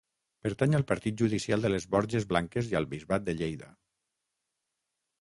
Pertany al Partit Judicial de les Borges Blanques i al Bisbat de Lleida.